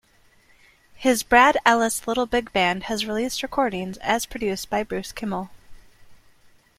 His Brad Ellis Little Big Band has released recordings, as produced by Bruce Kimmel.